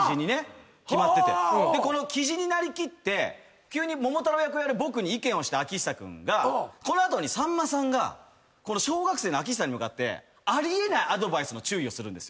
キジに成りきって急に桃太郎役をやる僕に意見をしたあきひさ君がこの後にさんまさんが小学生のあきひさに向かってあり得ないアドバイスの注意をするんですよ。